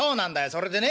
それでね